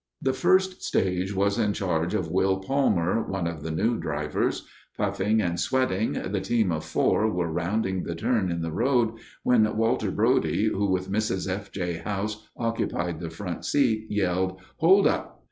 The first stage was in charge of Will Palmer, one of the new drivers. Puffing and sweating, the team of four were rounding the turn in the road, when Walter Brode, who, with Mrs. F. J. House, occupied the front seat, yelled: "Hold up!"